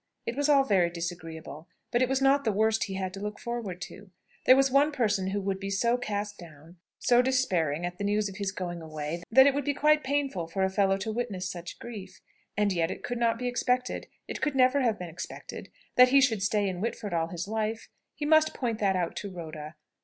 It was all very disagreeable. But it was not the worst he had to look forward to. There was one person who would be so cast down, so despairing, at the news of his going away, that that it would be quite painful for a fellow to witness such grief. And yet it could not be expected it could never have been expected that he should stay in Whitford all his life! He must point that out to Rhoda.